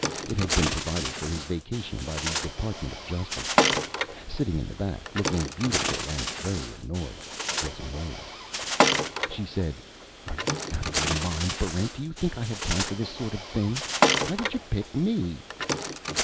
It had been provided for his vacation by the Department of Justice. Sitting in the back, looking beautiful and very annoyed, was Moera. She said, "Are you out of your mind, Barrent? Do you think I have time for this sort of thing? Why did you pick me?"